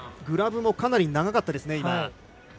グラブもかなり長かったです。